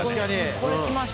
これきました。